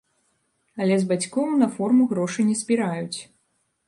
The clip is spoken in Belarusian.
Але з бацькоў на форму грошы не збіраюць.